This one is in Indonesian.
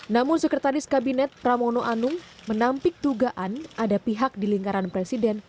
namun sekretaris kabinet pramono anung menampik dugaan ada pihak di lingkaran presiden